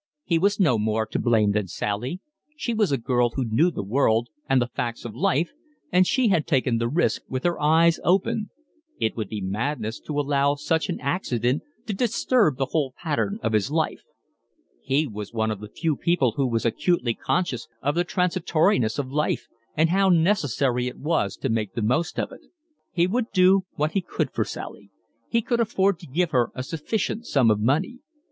He was no more to blame than Sally; she was a girl who knew the world and the facts of life, and she had taken the risk with her eyes open. It would be madness to allow such an accident to disturb the whole pattern of his life. He was one of the few people who was acutely conscious of the transitoriness of life, and how necessary it was to make the most of it. He would do what he could for Sally; he could afford to give her a sufficient sum of money.